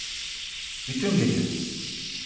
Bütün gece.